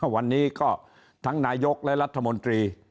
วันนี้ก็ทั้งนายกและรัฐมนตรี